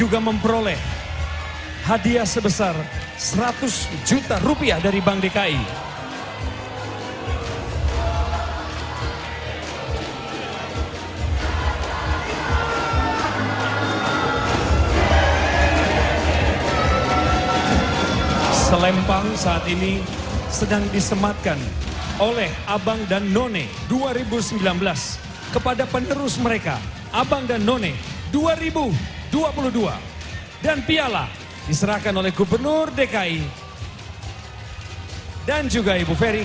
bapak anies rashid baswedan didampingi dengan ibu ferry farhati untuk dapat menyemangatkan selempang kepada para juara kita pada malam hari ini